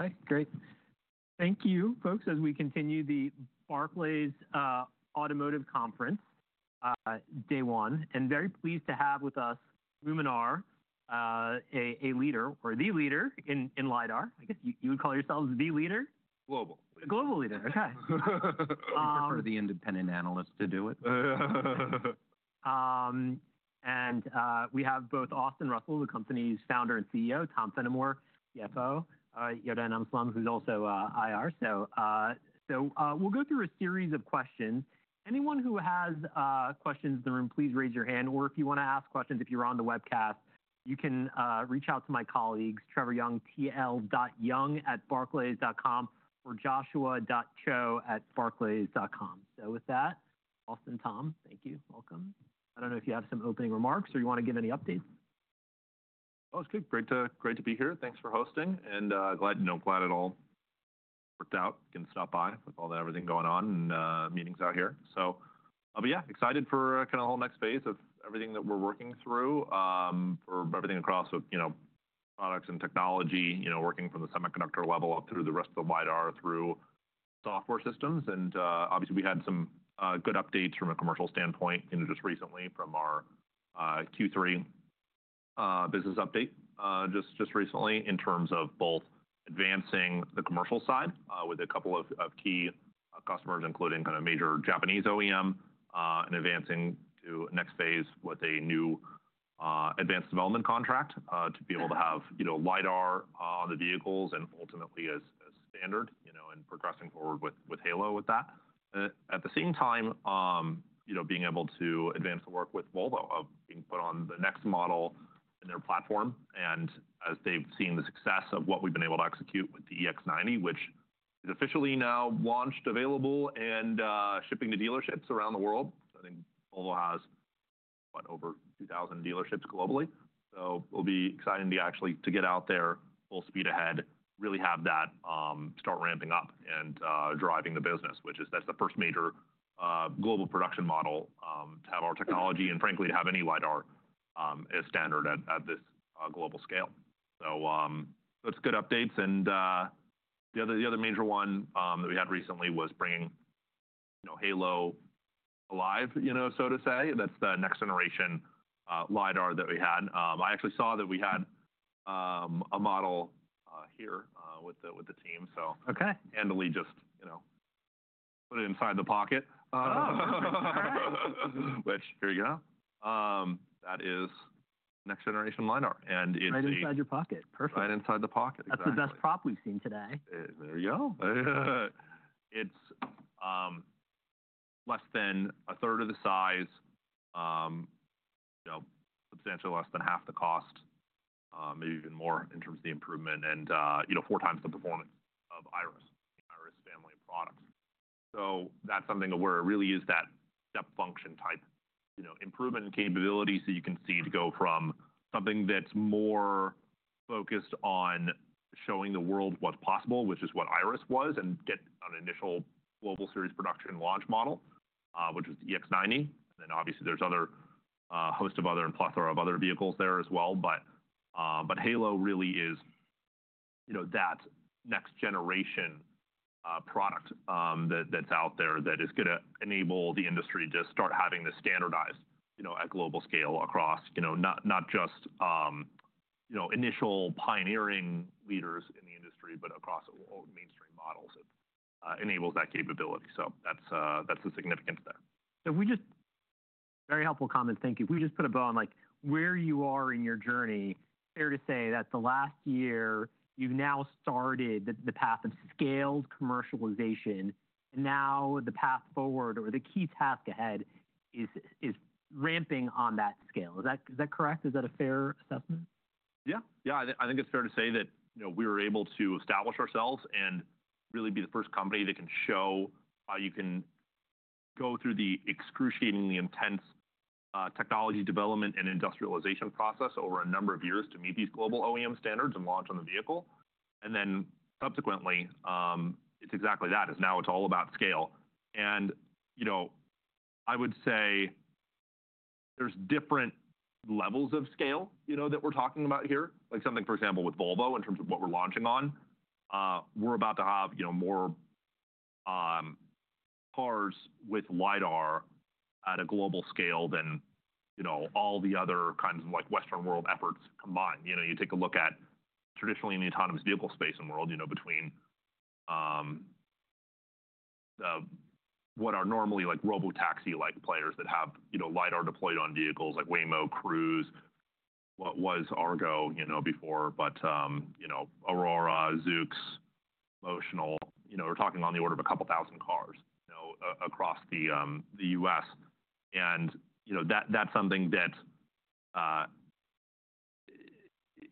Okay, great. Thank you, folks, as we continue the Barclays Automotive Conference, day one. And very pleased to have with us Luminar, a leader, or the leader in LiDAR. I guess you would call yourselves the leader? Global. Global leader, okay. We prefer the independent analyst to do it. We have both Austin Russell, the company's founder and CEO, Tom Fennimore, CFO, Yarden Amsalem, who's also IR. We'll go through a series of questions. Anyone who has questions in the room, please raise your hand. Or if you want to ask questions, if you're on the webcast, you can reach out to my colleagues, Trevor Young, tl.young@barclays.com, or joshua.cho@barclays.com. With that, Austin, Tom, thank you. Welcome. I don't know if you have some opening remarks or you want to give any updates. Oh, it's great to be here. Thanks for hosting. And glad it all worked out. Can stop by with all that, everything going on and meetings out here. So yeah, excited for kind of the whole next phase of everything that we're working through for everything across products and technology, working from the semiconductor level up through the rest of the LiDAR, through software systems. And obviously, we had some good updates from a commercial standpoint just recently from our Q3 business update just recently in terms of both advancing the commercial side with a couple of key customers, including kind of major Japanese OEM, and advancing to next phase with a new advanced development contract to be able to have LiDAR on the vehicles and ultimately as standard and progressing forward with Halo with that. At the same time, being able to advance the work with Volvo of being put on the next model in their platform. And as they've seen the success of what we've been able to execute with the EX90, which is officially now launched, available, and shipping to dealerships around the world. I think Volvo has over 2,000 dealerships globally. So it'll be exciting to actually get out there full speed ahead, really have that start ramping up and driving the business, which is, that's the first major global production model to have our technology and frankly, to have any LiDAR as standard at this global scale. So that's good updates. And the other major one that we had recently was bringing Halo alive, so to say. That's the next generation LiDAR that we had. I actually saw that we had a model here with the team. Handily, just put it inside the pocket. Which, here you go. That is next-generation LiDAR. It's. Right inside your pocket. Perfect. Right inside the pocket. Exactly. That's the best prop we've seen today. There you go. It's less than a third of the size, substantially less than half the cost, maybe even more in terms of the improvement and four times the performance of IRIS, IRIS family of products. So that's something where it really is that step function type improvement capability. So you can see to go from something that's more focused on showing the world what's possible, which is what IRIS was, and get an initial global series production launch model, which was the EX90. And then obviously, there's a host of other and plethora of other vehicles there as well. But Halo really is that next generation product that's out there that is going to enable the industry to start having the standardized at global scale across not just initial pioneering leaders in the industry, but across all mainstream models. It enables that capability. So that's the significance there. Very helpful comment. Thank you. If we just put a bow on where you are in your journey, fair to say that the last year, you've now started the path of scaled commercialization. And now the path forward or the key task ahead is ramping on that scale. Is that correct? Is that a fair assessment? Yeah. Yeah. I think it's fair to say that we were able to establish ourselves and really be the first company that can show how you can go through the excruciatingly intense technology development and industrialization process over a number of years to meet these global OEM standards and launch on the vehicle. And then subsequently, it's exactly that. Now it's all about scale. And I would say there's different levels of scale that we're talking about here. Like something, for example, with Volvo in terms of what we're launching on, we're about to have more cars with LiDAR at a global scale than all the other kinds of Western world efforts combined. You take a look at traditionally in the autonomous vehicle space in the world between what are normally robotaxi-like players that have LiDAR deployed on vehicles like Waymo, Cruise, what was Argo before, but Aurora, Zoox, Motional. We're talking on the order of a couple thousand cars across the U.S., and that's something that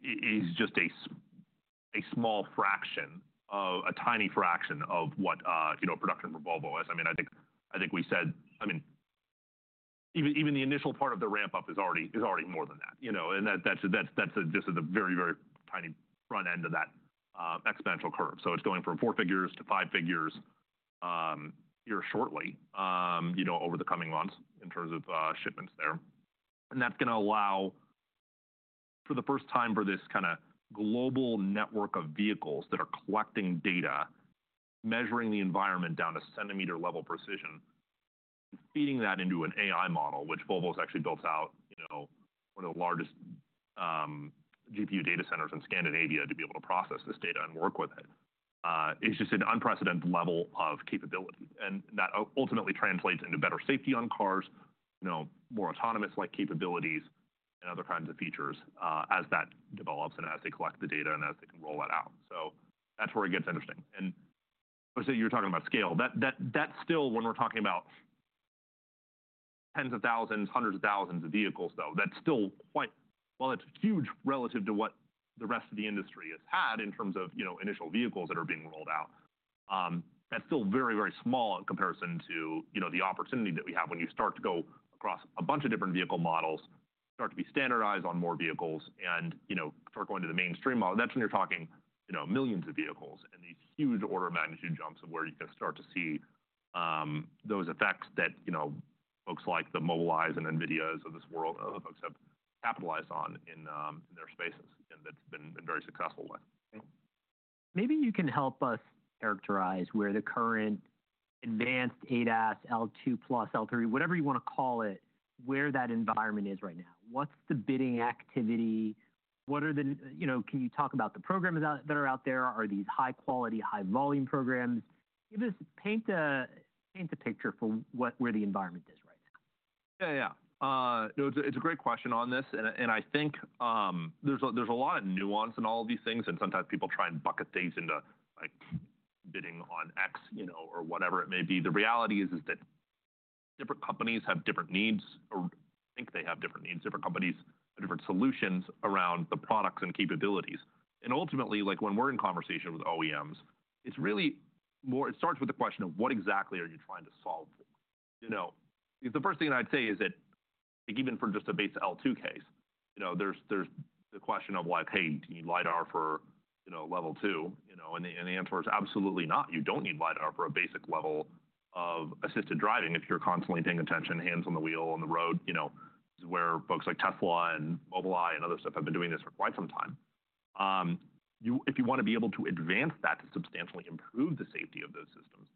is just a small fraction, a tiny fraction of what production for Volvo is. I mean, I think we said, I mean, even the initial part of the ramp-up is already more than that, and that's just a very, very tiny front end of that exponential curve, so it's going from four figures to five figures here shortly over the coming months in terms of shipments there. That's going to allow for the first time for this kind of global network of vehicles that are collecting data, measuring the environment down to centimeter-level precision, feeding that into an AI model, which Volvo has actually built out one of the largest GPU data centers in Scandinavia to be able to process this data and work with it. It's just an unprecedented level of capability. That ultimately translates into better safety on cars, more autonomous-like capabilities, and other kinds of features as that develops and as they collect the data and as they can roll that out. That's where it gets interesting. Obviously, you're talking about scale. That still, when we're talking about tens of thousands, hundreds of thousands of vehicles, though, that's still quite, well, that's huge relative to what the rest of the industry has had in terms of initial vehicles that are being rolled out. That's still very, very small in comparison to the opportunity that we have when you start to go across a bunch of different vehicle models, start to be standardized on more vehicles, and start going to the mainstream model. That's when you're talking millions of vehicles and these huge order of magnitude jumps of where you can start to see those effects that folks like the Mobileye's and NVIDIA's of this world, folks have capitalized on in their spaces and that's been very successful with. Maybe you can help us characterize where the current advanced ADAS L2 plus L3, whatever you want to call it, where that environment is right now. What's the bidding activity? Can you talk about the programs that are out there? Are these high-quality, high-volume programs? Paint a picture for where the environment is right now. Yeah, yeah. It's a great question on this, and I think there's a lot of nuance in all of these things. Sometimes people try and bucket things into bidding on X or whatever it may be. The reality is that different companies have different needs or think they have different needs. Different companies have different solutions around the products and capabilities. Ultimately, when we're in conversation with OEMs, it's really more, it starts with the question of what exactly are you trying to solve? The first thing I'd say is that even for just a base L2 case, there's the question of like, "Hey, do you need LiDAR for level two?" The answer is absolutely not. You don't need LiDAR for a basic level of assisted driving if you're constantly paying attention, hands on the wheel on the road. This is where folks like Tesla and Mobileye and other stuff have been doing this for quite some time. If you want to be able to advance that to substantially improve the safety of those systems,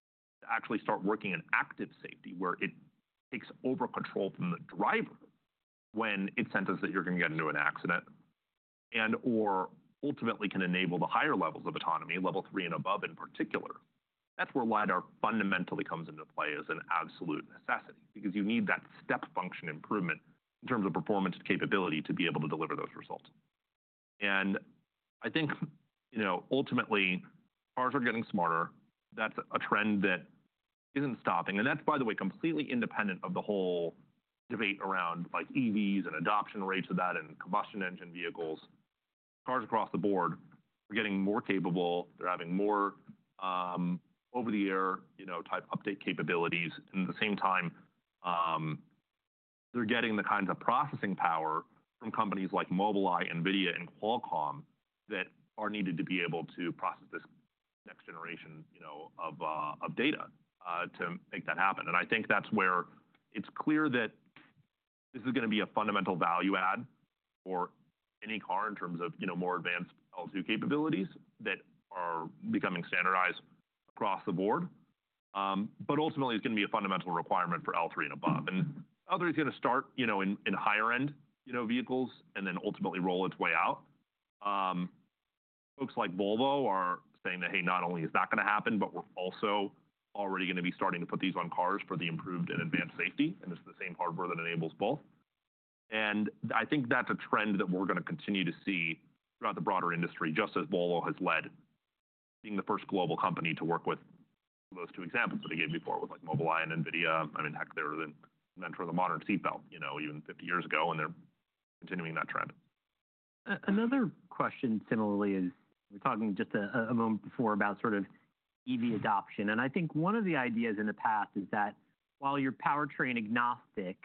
to actually start working in active safety where it takes over control from the driver when it's sensed that you're going to get into an accident and/or ultimately can enable the higher levels of autonomy, level three and above in particular, that's where LiDAR fundamentally comes into play as an absolute necessity because you need that step function improvement in terms of performance and capability to be able to deliver those results. I think ultimately, cars are getting smarter. That's a trend that isn't stopping. That's, by the way, completely independent of the whole debate around EVs and adoption rates of that and combustion engine vehicles. Cars across the board are getting more capable. They're having more over-the-air type update capabilities, and at the same time, they're getting the kinds of processing power from companies like Mobileye, NVIDIA, and Qualcomm that are needed to be able to process this next generation of data to make that happen, and I think that's where it's clear that this is going to be a fundamental value add for any car in terms of more advanced L2 capabilities that are becoming standardized across the board, but ultimately, it's going to be a fundamental requirement for L3 and above, and L3 is going to start in higher-end vehicles and then ultimately roll its way out. Folks like Volvo are saying that, "Hey, not only is that going to happen, but we're also already going to be starting to put these on cars for the improved and advanced safety." And it's the same hardware that enables both. And I think that's a trend that we're going to continue to see throughout the broader industry, just as Volvo has led being the first global company to work with those two examples that I gave before with Mobileye and NVIDIA. I mean, heck, they're the inventor of the modern seatbelt even 50 years ago. And they're continuing that trend. Another question similarly is we were talking just a moment before about sort of EV adoption. And I think one of the ideas in the past is that while you're powertrain agnostic,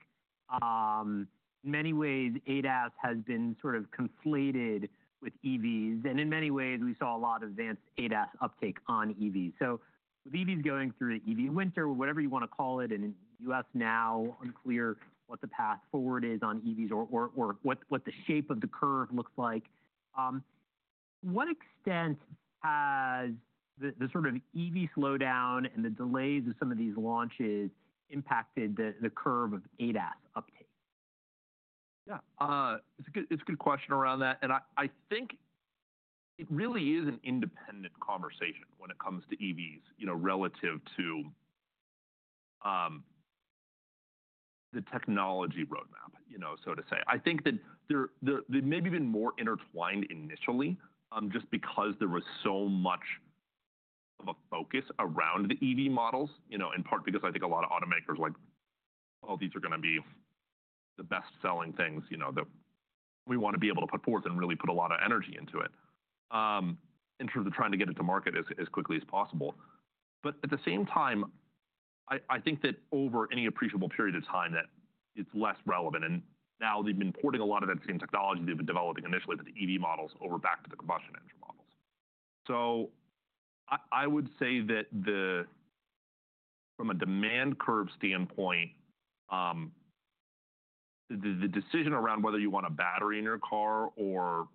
in many ways, ADAS has been sort of conflated with EVs. And in many ways, we saw a lot of advanced ADAS uptake on EVs. So with EVs going through the EV winter, whatever you want to call it, and in the U.S. now, unclear what the path forward is on EVs or what the shape of the curve looks like. To what extent has the sort of EV slowdown and the delays of some of these launches impacted the curve of ADAS uptake? Yeah. It's a good question around that. And I think it really is an independent conversation when it comes to EVs relative to the technology roadmap, so to say. I think that they maybe have been more intertwined initially just because there was so much of a focus around the EV models, in part because I think a lot of automakers are like, "Well, these are going to be the best-selling things that we want to be able to put forth and really put a lot of energy into it in terms of trying to get it to market as quickly as possible." But at the same time, I think that over any appreciable period of time, that it's less relevant. And now they've been porting a lot of that same technology they've been developing initially for the EV models over back to the combustion engine models. I would say that from a demand curve standpoint, the decision around whether you want a battery in your car or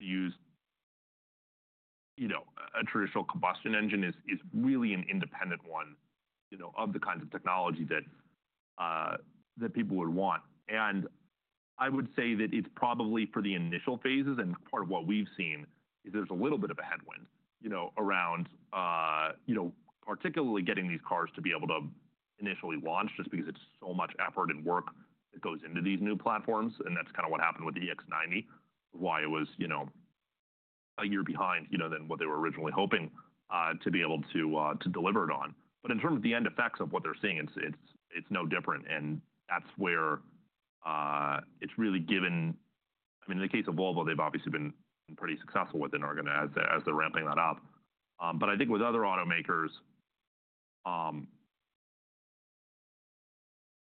to use a traditional combustion engine is really an independent one of the kinds of technology that people would want. I would say that it's probably for the initial phases. Part of what we've seen is there's a little bit of a headwind around particularly getting these cars to be able to initially launch just because it's so much effort and work that goes into these new platforms. That's kind of what happened with the EX90, why it was a year behind than what they were originally hoping to be able to deliver it on. In terms of the end effects of what they're seeing, it's no different. That's where it's really given. I mean, in the case of Volvo, they've obviously been pretty successful with it as they're ramping that up. I think with other automakers,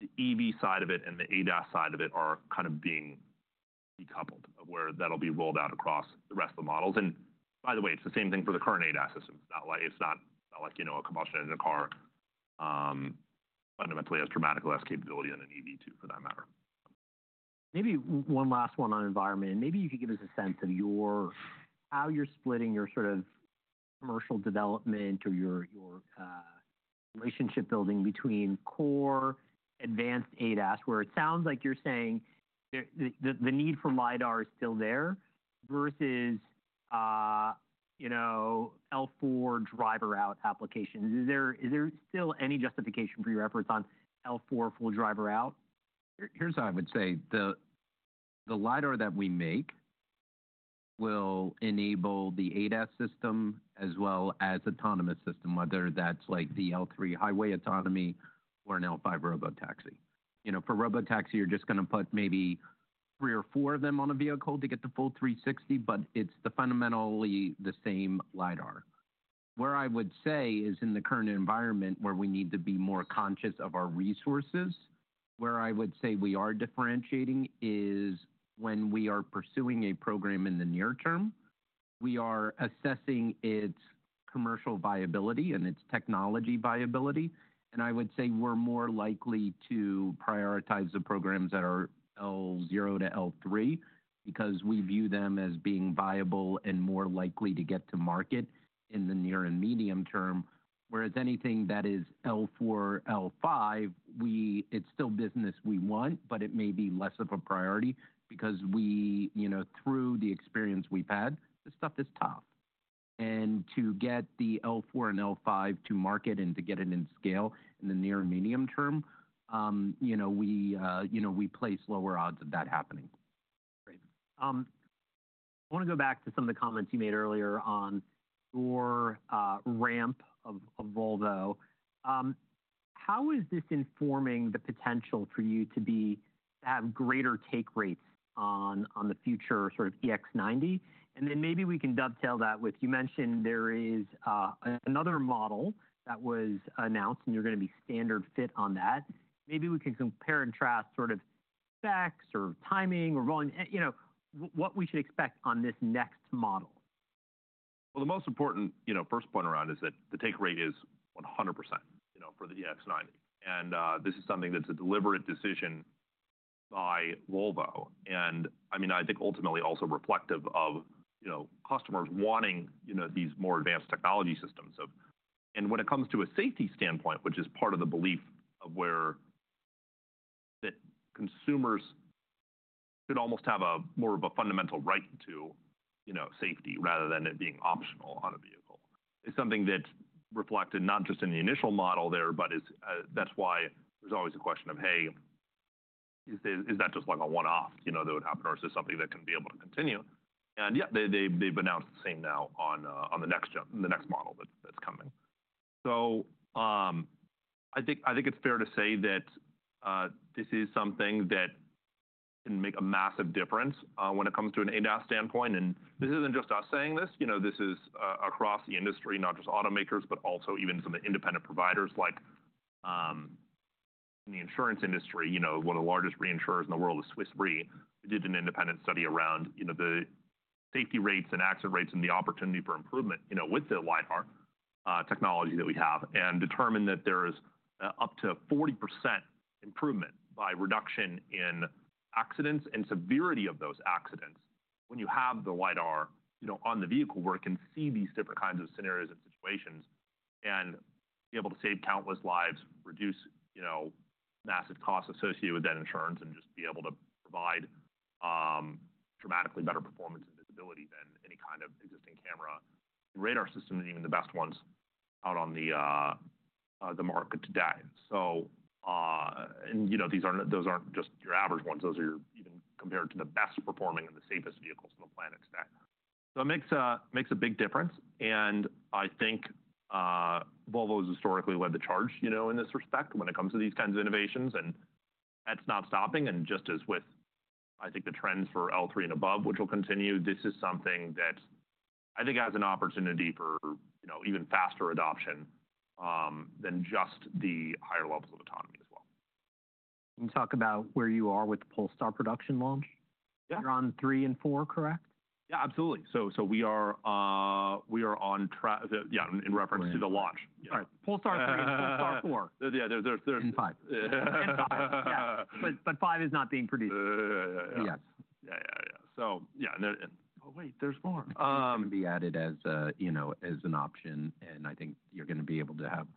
the EV side of it and the ADAS side of it are kind of being decoupled of where that'll be rolled out across the rest of the models. By the way, it's the same thing for the current ADAS system. It's not like a combustion engine car fundamentally has dramatically less capability than an EV, too, for that matter. Maybe one last one on environment. Maybe you could give us a sense of how you're splitting your sort of commercial development or your relationship building between core advanced ADAS, where it sounds like you're saying the need for LiDAR is still there versus L4 driver-out applications. Is there still any justification for your efforts on L4 full driver-out? Here's how I would say. The LiDAR that we make will enable the ADAS system as well as autonomous system, whether that's like the L3 highway autonomy or an L5 robotaxi. For robotaxi, you're just going to put maybe three or four of them on a vehicle to get the full 360, but it's fundamentally the same LiDAR. Where I would say is in the current environment where we need to be more conscious of our resources, where I would say we are differentiating is when we are pursuing a program in the near term, we are assessing its commercial viability and its technology viability, and I would say we're more likely to prioritize the programs that are L0 to L3 because we view them as being viable and more likely to get to market in the near and medium term. Whereas anything that is L4, L5, it's still business we want, but it may be less of a priority because through the experience we've had, the stuff is tough, and to get the L4 and L5 to market and to get it in scale in the near and medium term, we place lower odds of that happening. Great. I want to go back to some of the comments you made earlier on your ramp of Volvo. How is this informing the potential for you to have greater take rates on the future sort of EX90? And then maybe we can dovetail that with you mentioned there is another model that was announced, and you're going to be standard fit on that. Maybe we can compare and track sort of specs or timing or volume, what we should expect on this next model. The most important first point around is that the take rate is 100% for the EX90. And this is something that's a deliberate decision by Volvo. And I mean, I think ultimately also reflective of customers wanting these more advanced technology systems. And when it comes to a safety standpoint, which is part of the belief that consumers should almost have more of a fundamental right to safety rather than it being optional on a vehicle, it's something that's reflected not just in the initial model there, but that's why there's always a question of, "Hey, is that just like a one-off that would happen or is this something that can be able to continue?" And yeah, they've announced the same now on the next model that's coming. So I think it's fair to say that this is something that can make a massive difference when it comes to an ADAS standpoint. And this isn't just us saying this. This is across the industry, not just automakers, but also even some independent providers like in the insurance industry. One of the largest reinsurers in the world is Swiss Re. We did an independent study around the safety rates and accident rates and the opportunity for improvement with the LiDAR technology that we have and determined that there is up to 40% improvement by reduction in accidents and severity of those accidents when you have the LiDAR on the vehicle where it can see these different kinds of scenarios and situations and be able to save countless lives, reduce massive costs associated with that insurance, and just be able to provide dramatically better performance and visibility than any kind of existing camera and radar systems, even the best ones out on the market today. And these aren't just your average ones. Those are even compared to the best performing and the safest vehicles on the planet today. So it makes a big difference. I think Volvo has historically led the charge in this respect when it comes to these kinds of innovations. That's not stopping. Just as with, I think, the trends for L3 and above, which will continue, this is something that I think has an opportunity for even faster adoption than just the higher levels of autonomy as well. Can you talk about where you are with the Polestar production launch? Yeah. You're on three and four, correct? Yeah, absolutely. So we are on track, yeah, in reference to the launch. All right. Polestar 3 and Polestar 4. Yeah, there's. And five, yeah, but five is not being produced. Yeah, yeah, yeah. Yes. Yeah, yeah, yeah. So yeah. Oh, wait, there's more. It's going to be added as an option, and I think you're going to be able to have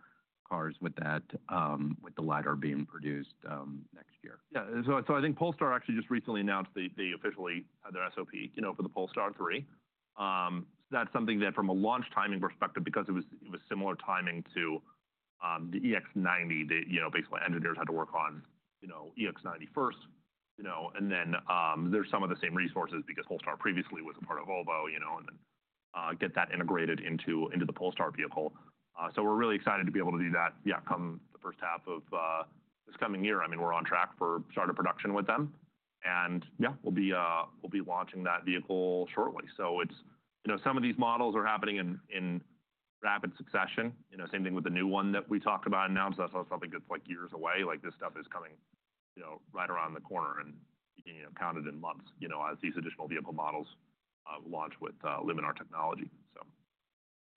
cars with the LiDAR being produced next year. Yeah, so I think Polestar actually just recently announced they officially had their SOP for the Polestar 3. So that's something that from a launch timing perspective, because it was similar timing to the EX90, basically engineers had to work on EX90 first. And then there's some of the same resources because Polestar previously was a part of Volvo and then get that integrated into the Polestar vehicle. So we're really excited to be able to do that, yeah, come the first half of this coming year. I mean, we're on track for startup production with them. And yeah, we'll be launching that vehicle shortly. So some of these models are happening in rapid succession. Same thing with the new one that we talked about and announced. That's not something that's like years away. This stuff is coming right around the corner and being counted in months as these additional vehicle models launch with Luminar Technologies, so.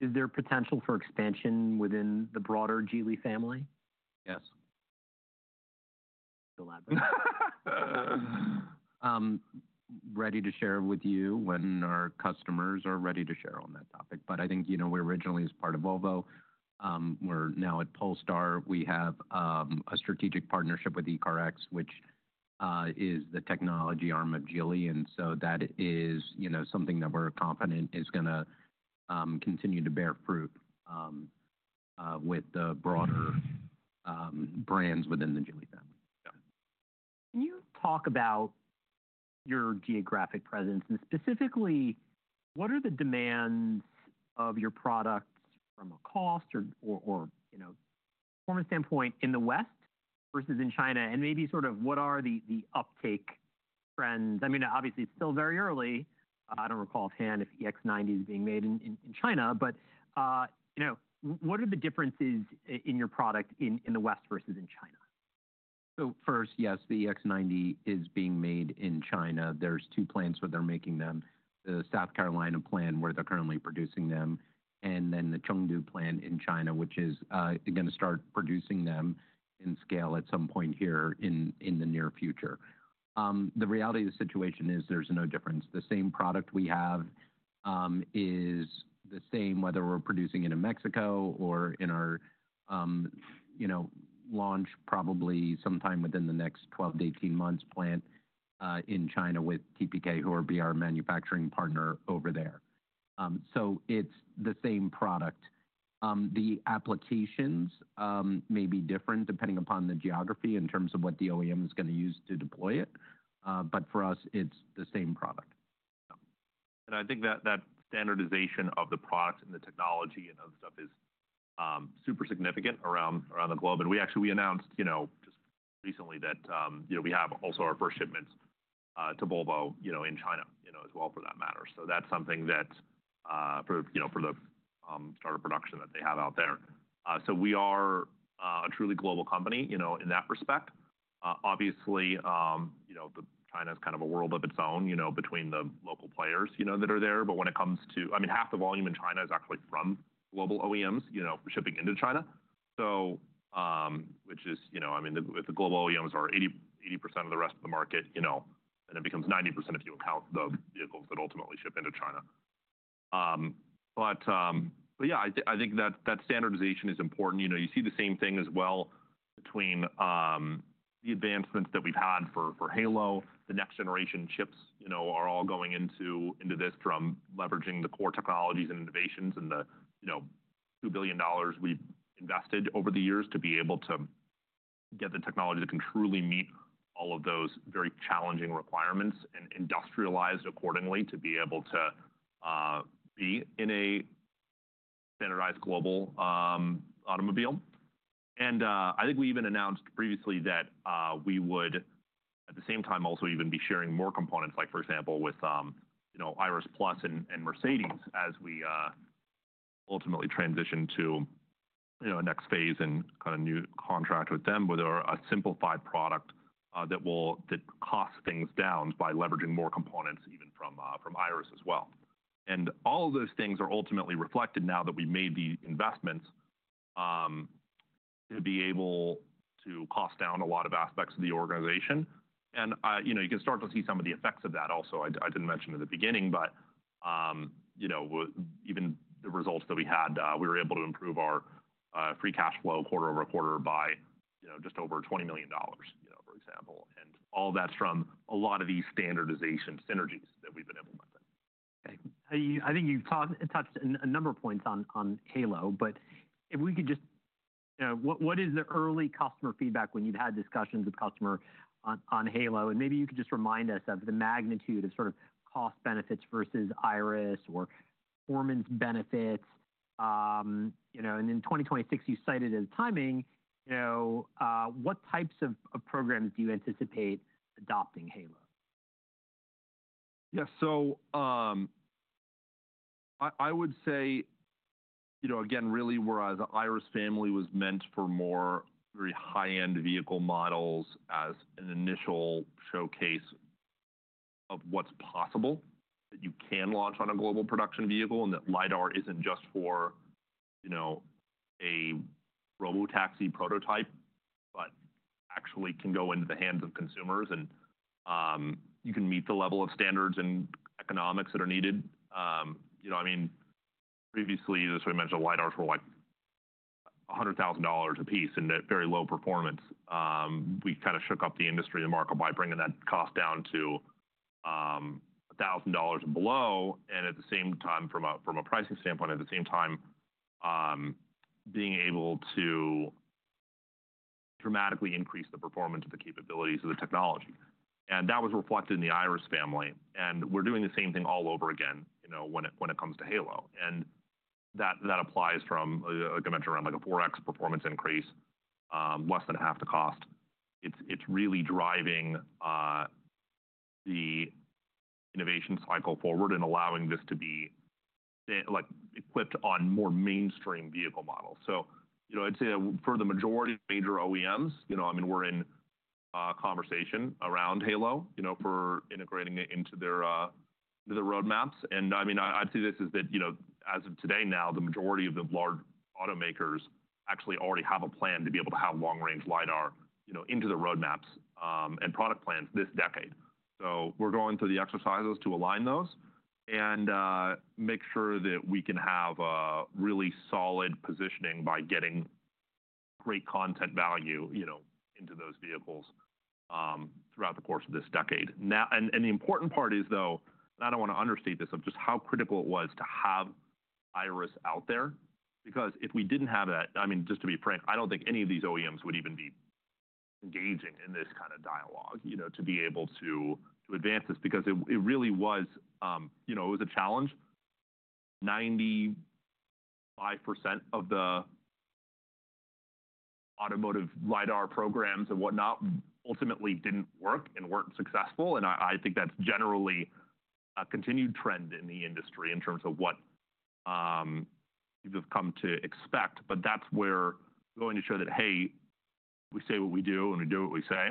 Is there potential for expansion within the broader Geely family? Yes. Ready to share with you when our customers are ready to share on that topic, but I think we originally as part of Volvo, we're now at Polestar. We have a strategic partnership with ECARX, which is the technology arm of Geely, and so that is something that we're confident is going to continue to bear fruit with the broader brands within the Geely family, so. Can you talk about your geographic presence, and specifically, what are the demands of your products from a cost or performance standpoint in the West versus in China, and maybe sort of what are the uptake trends? I mean, obviously, it's still very early. I don't recall offhand if EX90 is being made in China, but what are the differences in your product in the West versus in China? So first, yes, the EX90 is being made in China. There's two plants where they're making them, the South Carolina plant where they're currently producing them, and then the Chengdu plant in China, which is going to start producing them in scale at some point here in the near future. The reality of the situation is there's no difference. The same product we have is the same, whether we're producing it in Mexico or in our launch probably sometime within the next 12 to 18 months plant in China with TPK, who are our manufacturing partner over there. So it's the same product. The applications may be different depending upon the geography in terms of what the OEM is going to use to deploy it. But for us, it's the same product. I think that standardization of the product and the technology and other stuff is super significant around the globe. We actually announced just recently that we have also our first shipments to Volvo in China as well for that matter. That's something that for the startup production that they have out there. We are a truly global company in that respect. Obviously, China is kind of a world of its own between the local players that are there. When it comes to, I mean, half the volume in China is actually from global OEMs shipping into China, which is, I mean, with the global OEMs are 80% of the rest of the market, and it becomes 90% if you account the vehicles that ultimately ship into China. Yeah, I think that standardization is important. You see the same thing as well between the advancements that we've had for Halo. The next generation chips are all going into this from leveraging the core technologies and innovations and the $2 billion we've invested over the years to be able to get the technology that can truly meet all of those very challenging requirements and industrialized accordingly to be able to be in a standardized global automobile. And I think we even announced previously that we would at the same time also even be sharing more components, like for example, with Iris+ and Mercedes as we ultimately transition to a next phase and kind of new contract with them with a simplified product that will cost things down by leveraging more components even from IRIS as well. And all of those things are ultimately reflected now that we've made the investments to be able to cost down a lot of aspects of the organization. And you can start to see some of the effects of that also. I didn't mention it at the beginning, but even the results that we had, we were able to improve our free cash flow quarter over quarter by just over $20 million, for example. And all of that's from a lot of these standardization synergies that we've been implementing. Okay. I think you've touched a number of points on Halo, but if we could just, what is the early customer feedback when you've had discussions with customers on Halo? And maybe you could just remind us of the magnitude of sort of cost benefits versus IRIS or performance benefits. And in 2026, you cited as timing, what types of programs do you anticipate adopting Halo? Yeah. So I would say, again, really whereas the IRIS family was meant for more very high-end vehicle models as an initial showcase of what's possible that you can launch on a global production vehicle and that LiDAR isn't just for a robotaxi prototype, but actually can go into the hands of consumers and you can meet the level of standards and economics that are needed. I mean, previously, as we mentioned, LiDARs were like $100,000 a piece and very low performance. We kind of shook up the industry and the market by bringing that cost down to $1,000 and below. And at the same time, from a pricing standpoint, at the same time, being able to dramatically increase the performance of the capabilities of the technology. And that was reflected in the IRIS family. And we're doing the same thing all over again when it comes to Halo. That applies from, like I mentioned, around like a 4x performance increase, less than half the cost. It's really driving the innovation cycle forward and allowing this to be equipped on more mainstream vehicle models. I'd say for the majority of major OEMs, I mean, we're in conversation around Halo for integrating it into their roadmaps. I mean, I'd say this is that as of today now, the majority of the large automakers actually already have a plan to be able to have long-range LiDAR into their roadmaps and product plans this decade. We're going through the exercises to align those and make sure that we can have a really solid positioning by getting great content value into those vehicles throughout the course of this decade. The important part is, though, and I don't want to understate this of just how critical it was to have IRIS out there, because if we didn't have that, I mean, just to be frank, I don't think any of these OEMs would even be engaging in this kind of dialogue to be able to advance this because it really was, it was a challenge. 95% of the automotive LiDAR programs and whatnot ultimately didn't work and weren't successful. I think that's generally a continued trend in the industry in terms of what people have come to expect. That's where we're going to show that, hey, we say what we do and we do what we say,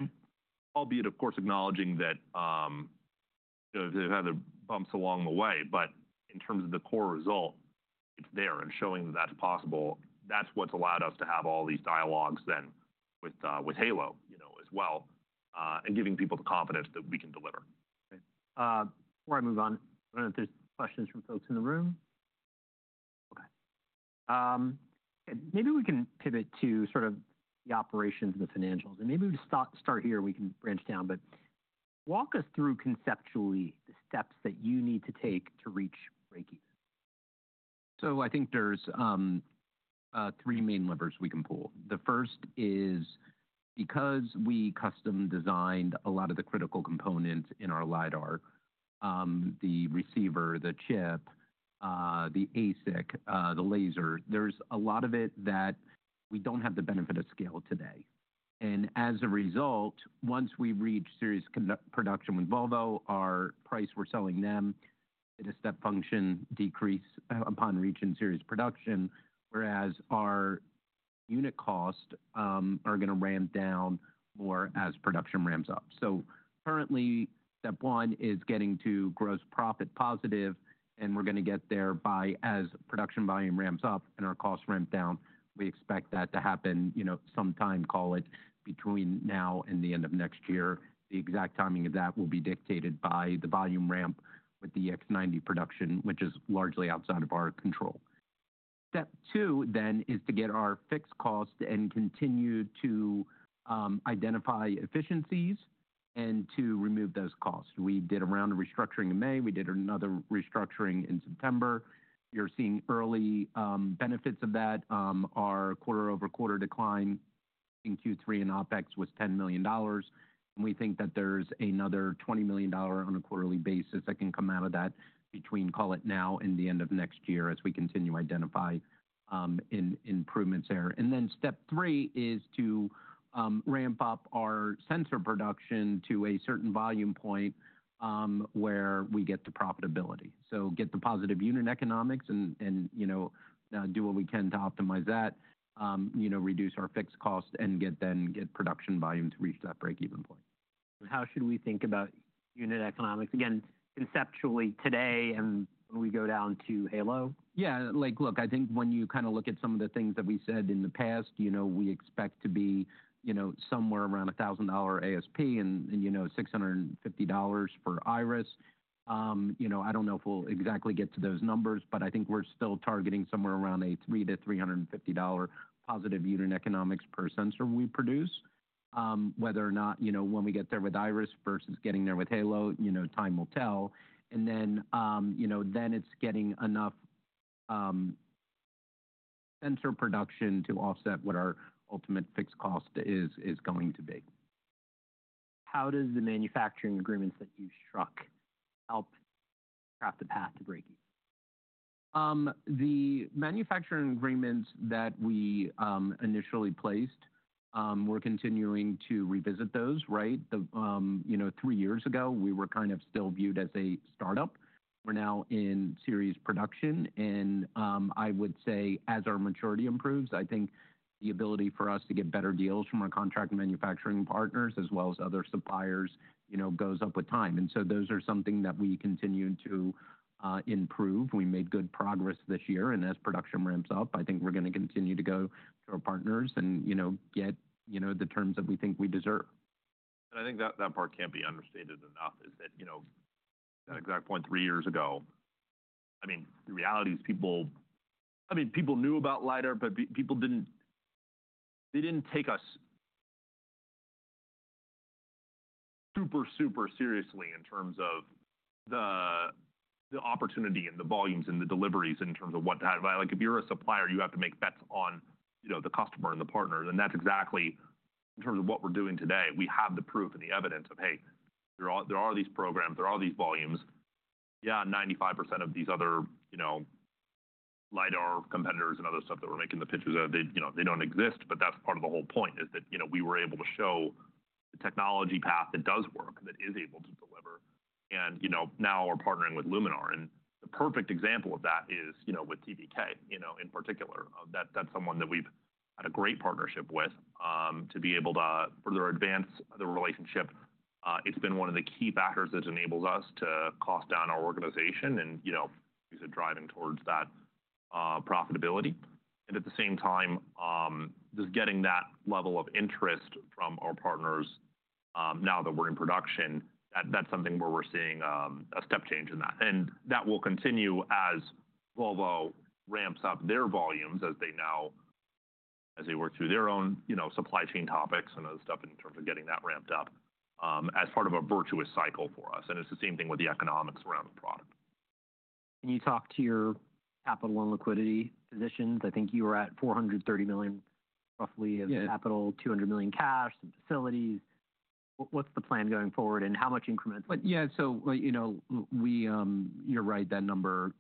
albeit, of course, acknowledging that they've had their bumps along the way. In terms of the core result, it's there and showing that that's possible. That's what's allowed us to have all these dialogues then with Halo as well and giving people the confidence that we can deliver. Before I move on, I don't know if there's questions from folks in the room. Okay. Maybe we can pivot to sort of the operations and the financials, and maybe we'll start here. We can branch down, but walk us through conceptually the steps that you need to take to reach break-even. I think there's three main levers we can pull. The first is because we custom-designed a lot of the critical components in our LiDAR, the receiver, the chip, the ASIC, the laser. There's a lot of it that we don't have the benefit of scale today. As a result, once we reached series production with Volvo, our price we're selling them did a step function decrease upon reaching series production, whereas our unit costs are going to ramp down more as production ramps up. Currently, step one is getting to gross profit positive, and we're going to get there by as production volume ramps up and our costs ramp down. We expect that to happen sometime, call it between now and the end of next year. The exact timing of that will be dictated by the volume ramp with the EX90 production, which is largely outside of our control. Step two then is to get our fixed cost and continue to identify efficiencies and to remove those costs. We did a round of restructuring in May. We did another restructuring in September. You're seeing early benefits of that. Our quarter-over-quarter decline in Q3 in OpEx was $10 million. And we think that there's another $20 million on a quarterly basis that can come out of that between, call it now, and the end of next year as we continue to identify improvements there. And then step three is to ramp up our sensor production to a certain volume point where we get to profitability. So get the positive unit economics and do what we can to optimize that, reduce our fixed cost, and then get production volume to reach that break-even point. How should we think about unit economics? Again, conceptually today and when we go down to Halo? Yeah. Look, I think when you kind of look at some of the things that we said in the past, we expect to be somewhere around $1,000 ASP and $650 for IRIS. I don't know if we'll exactly get to those numbers, but I think we're still targeting somewhere around a $3-$350 positive unit economics per sensor we produce. Whether or not when we get there with IRIS versus getting there with Halo, time will tell. And then it's getting enough sensor production to offset what our ultimate fixed cost is going to be. How does the manufacturing agreements that you struck help craft the path to break-even? The manufacturing agreements that we initially placed, we're continuing to revisit those, right? Three years ago, we were kind of still viewed as a startup. We're now in series production, and I would say as our maturity improves, I think the ability for us to get better deals from our contract manufacturing partners as well as other suppliers goes up with time, and so those are something that we continue to improve. We made good progress this year, and as production ramps up, I think we're going to continue to go to our partners and get the terms that we think we deserve. And I think that part can't be understated enough is that at that exact point three years ago, I mean, the reality is people, I mean, people knew about LiDAR, but they didn't take us super, super seriously in terms of the opportunity and the volumes and the deliveries in terms of what to have. If you're a supplier, you have to make bets on the customer and the partner. And that's exactly in terms of what we're doing today. We have the proof and the evidence of, hey, there are these programs, there are these volumes. Yeah, 95% of these other LiDAR competitors and other stuff that we're making the pitches of, they don't exist. But that's part of the whole point is that we were able to show the technology path that does work, that is able to deliver. And now we're partnering with Luminar. The perfect example of that is with TPK in particular. That's someone that we've had a great partnership with to be able to further advance the relationship. It's been one of the key factors that enables us to cost down our organization and, like I said, driving towards that profitability. At the same time, just getting that level of interest from our partners now that we're in production, that's something where we're seeing a step change in that. That will continue as Volvo ramps up their volumes as they work through their own supply chain topics and other stuff in terms of getting that ramped up as part of a virtuous cycle for us. It's the same thing with the economics around the product. Can you talk to your capital and liquidity positions? I think you were at $430 million roughly of capital, $200 million cash, some facilities. What's the plan going forward and how much increments? Yeah. So you're right, that number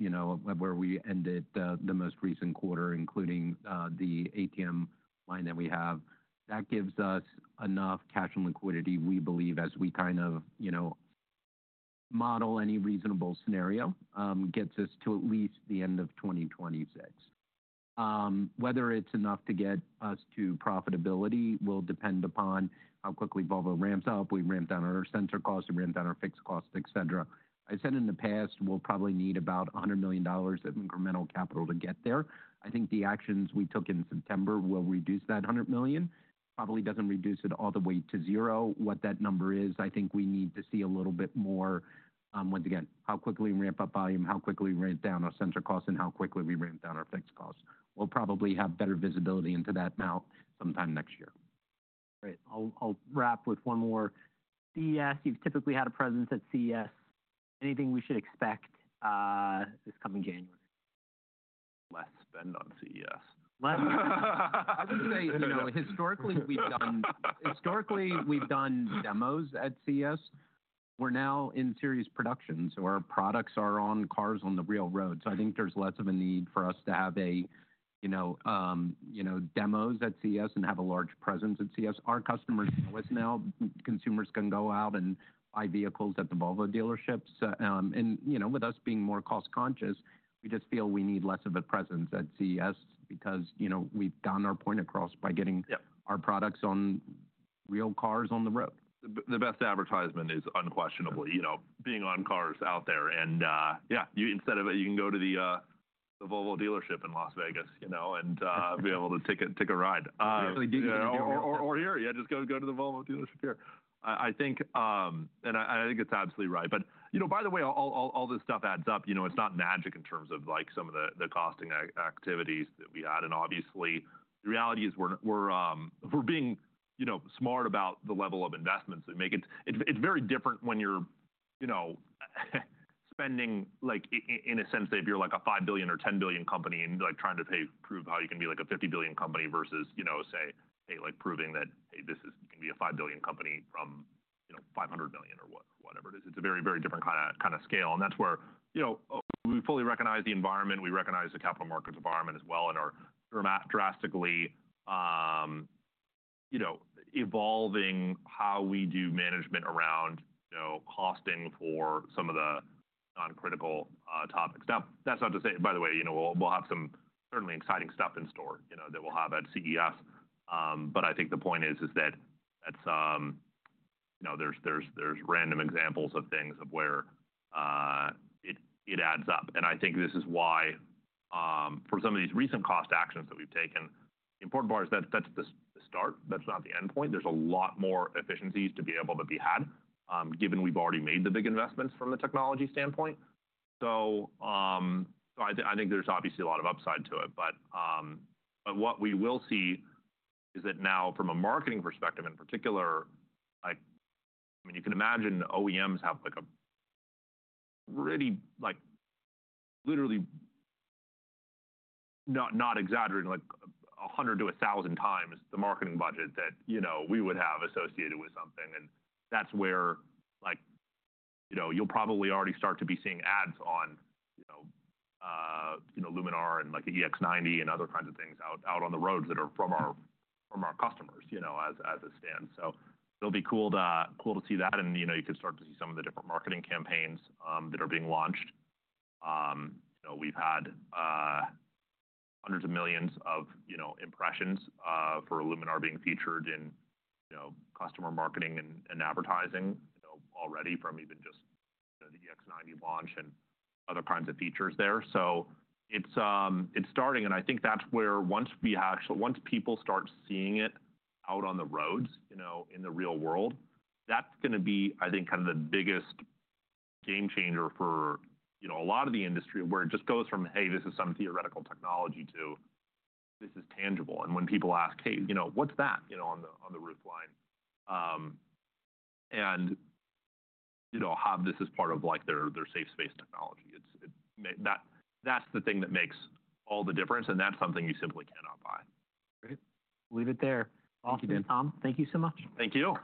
where we ended the most recent quarter, including the ATM line that we have, that gives us enough cash and liquidity, we believe, as we kind of model any reasonable scenario, gets us to at least the end of 2026. Whether it's enough to get us to profitability will depend upon how quickly Volvo ramps up. We ramp down our sensor costs, we ramp down our fixed costs, etc. I said in the past, we'll probably need about $100 million of incremental capital to get there. I think the actions we took in September will reduce that 100 million. Probably doesn't reduce it all the way to zero. What that number is, I think we need to see a little bit more, once again, how quickly we ramp up volume, how quickly we ramp down our sensor costs, and how quickly we ramp down our fixed costs. We'll probably have better visibility into that now sometime next year. Great. I'll wrap with one more. CES, you've typically had a presence at CES. Anything we should expect this coming January? Less spend on CES. I would say historically we've done demos at CES. We're now in series production. So our products are on cars on the real road. So I think there's less of a need for us to have demos at CES and have a large presence at CES. Our customers know us now. Consumers can go out and buy vehicles at the Volvo dealerships, and with us being more cost-conscious, we just feel we need less of a presence at CES because we've gotten our point across by getting our products on real cars on the road. The best advertisement is unquestionably being on cars out there, and yeah, instead of it, you can go to the Volvo dealership in Las Vegas and be able to take a ride. or here, yeah, just go to the Volvo dealership here. And I think it's absolutely right. But by the way, all this stuff adds up. It's not magic in terms of some of the costing activities that we had. And obviously, the reality is we're being smart about the level of investments we make. It's very different when you're spending, in a sense, if you're like a five billion or 10 billion company and trying to prove how you can be like a 50 billion company versus, say, hey, proving that this is going to be a five billion company from 500 million or whatever it is. It's a very, very different kind of scale. And that's where we fully recognize the environment. We recognize the capital markets environment as well and are drastically evolving how we do management around costing for some of the non-critical topics. Now, that's not to say, by the way, we'll have some certainly exciting stuff in store that we'll have at CES. But I think the point is that there's random examples of things of where it adds up. And I think this is why for some of these recent cost actions that we've taken, the important part is that that's the start. That's not the endpoint. There's a lot more efficiencies to be able to be had given we've already made the big investments from the technology standpoint. So I think there's obviously a lot of upside to it. But what we will see is that now from a marketing perspective in particular, I mean, you can imagine OEMs have a really literally not exaggerating, like 100-1,000 times the marketing budget that we would have associated with something. And that's where you'll probably already start to be seeing ads on Luminar and the EX90 and other kinds of things out on the roads that are from our customers as it stands. So it'll be cool to see that. And you can start to see some of the different marketing campaigns that are being launched. We've had hundreds of millions of impressions for Luminar being featured in customer marketing and advertising already from even just the EX90 launch and other kinds of features there. So it's starting. And I think that's where once people start seeing it out on the roads in the real world, that's going to be, I think, kind of the biggest game changer for a lot of the industry where it just goes from, hey, this is some theoretical technology to this is tangible. And when people ask, hey, what's that on the roof line? Have this as part of their safe space technology. That's the thing that makes all the difference. That's something you simply cannot buy. Great. We'll leave it there. Thank you, Tom. Thank you so much. Thank you.